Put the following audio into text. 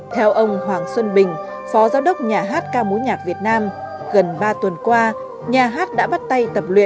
theo ông hoàng xuân bình phó giáo đốc nhà hát ca mối nhạc việt nam gần ba tuần qua nhà hát đã bắt tay tập luyện